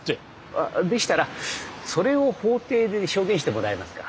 あっでしたらそれを法廷で証言してもらえますか？